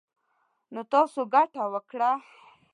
نـو تـاسو ګـټـه وكړه.